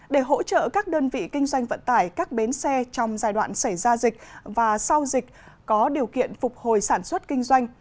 để hỗ trợ các đơn vị kinh doanh vận tải các bến xe trong giai đoạn xảy ra dịch và sau dịch có điều kiện phục hồi sản xuất kinh doanh